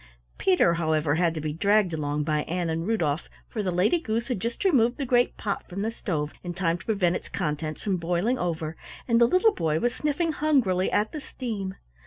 Peter, however, had to be dragged along by Ann and Rudolf, for the Lady Goose had just removed the great pot from the stove in time to prevent its contents from boiling over, and the little boy was sniffing hungrily at the steam.